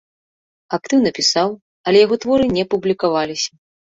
Актыўна пісаў, але яго творы не публікаваліся.